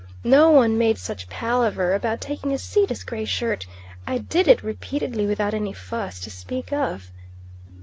No one made such palaver about taking a seat as Gray Shirt; I did it repeatedly without any fuss to speak of.